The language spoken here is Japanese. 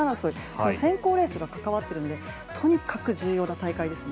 その選考レースが関わっているのでとにかく重要な大会ですね。